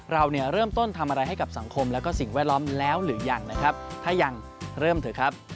เราเนี่ยเริ่มต้นทำอะไรให้กับสังคมและสิ่งแวดล้อมแล้วหรือยังนะครับถ้ายังเริ่มเถอะครับ